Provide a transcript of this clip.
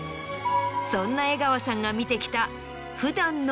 そんな江川さんが見てきた。